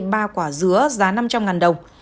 ba quả dứa giá năm trăm linh đồng